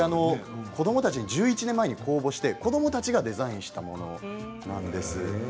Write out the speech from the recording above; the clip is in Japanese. これは、１１年前に公募して子どもたちがデザインしたものなんです。